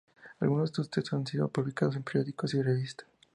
Algunos de sus textos han sido publicados en periódicos y revistas.